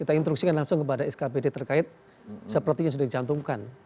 kita instruksikan langsung kepada skpd terkait seperti yang sudah dicantumkan